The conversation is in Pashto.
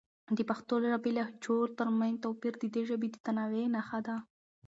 د پښتو ژبې لهجو ترمنځ توپیر د دې ژبې د تنوع نښه ده.